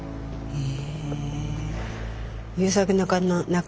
へえ。